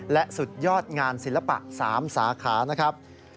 และสุดยอดงานศิลปะ๓สาขานะครับ